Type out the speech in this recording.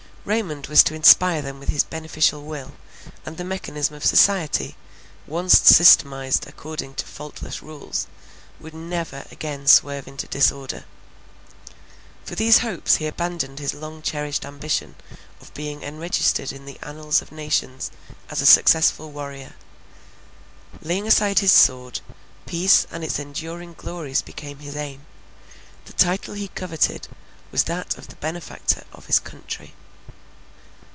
Raymond was to inspire them with his beneficial will, and the mechanism of society, once systematised according to faultless rules, would never again swerve into disorder. For these hopes he abandoned his long cherished ambition of being enregistered in the annals of nations as a successful warrior; laying aside his sword, peace and its enduring glories became his aim—the title he coveted was that of the benefactor of his country.